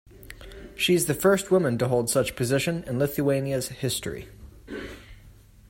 She is the first woman to hold such position in Lithuania's history.